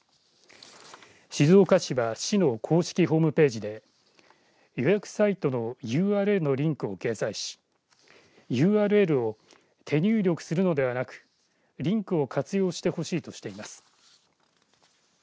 静岡市は市の公式ホームページで予約サイトのＵＲＬのリンクを掲載しＵＲＬを手入力するのではなくリンクを活用してほしいとしています。